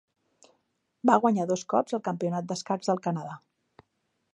Va guanyar dos cops el Campionat d'escacs del Canadà.